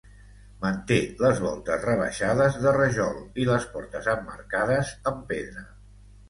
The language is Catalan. Manté les voltes rebaixades de rajol i les portes emmarcades amb pedra.